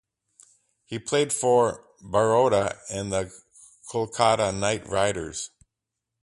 He played for Baroda and the Kolkata Knight Riders.